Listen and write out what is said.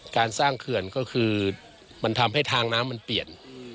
การสร้างเขื่อนก็คือมันทำให้ทางน้ำมันเปลี่ยน